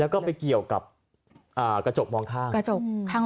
แล้วก็ไปเกี่ยวกับกระจกมองข้าง